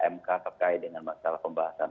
mk terkait dengan masalah pembahasan